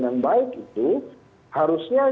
yang baik itu harusnya